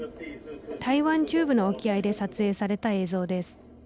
台湾中部の沖合で撮影された映像です。